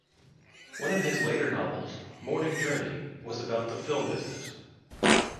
One of his later novels, "Morning Journey", was about the film business.